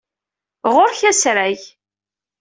Ɣur-k asrag.